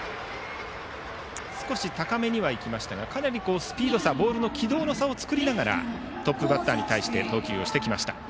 少し高めには行きましたがかなりスピード差ボールの軌道の差を作りながらトップバッターに対して投球をしました。